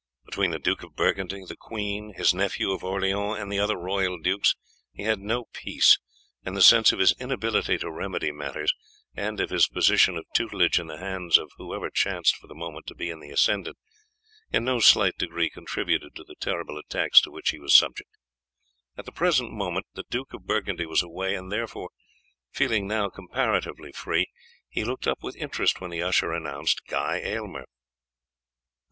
Between the Duke of Burgundy, the queen, his nephew of Orleans, and the other royal dukes he had no peace, and the sense of his inability to remedy matters, and of his position of tutelage in the hands of whoever chanced for the moment to be in the ascendant, in no slight degree contributed to the terrible attacks to which he was subject. At the present moment the Duke of Burgundy was away, and therefore, feeling now comparatively free, he looked up with interest when the usher announced Guy Aylmer.